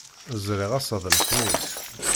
Ẓriɣ ass-a d Lexmis.